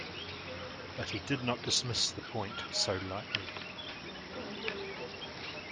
But he did not dismiss the point so lightly.